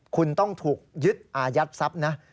คุณต้องถูกยึดอายัดทรัพย์นะ